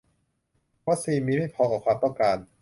วัคซีนมีไม่พอกับความต้องการ